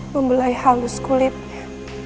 membelai halus kulitnya